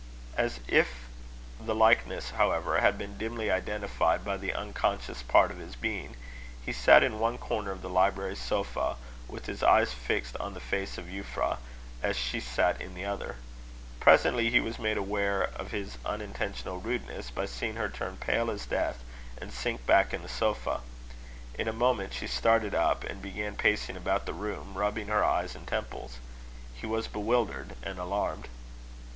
As if the likeness, however, had been dimly identified by the unconscious part of his being, he sat in one corner of the library sofa, with his eyes fixed on the face of Euphra, as she sat in the other. Presently he was made aware of his unintentional rudeness, by seeing her turn pale as death, and sink back in the sofa. In a moment she started up, and began pacing about the room, rubbing her eyes and temples. He was bewildered and alarmed.